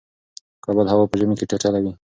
کابل هوا په ژمی کی چټله وی